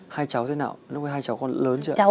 hai cháu thế nào nó có hai cháu con lớn chưa